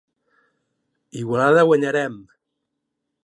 Igualada, guanyarem!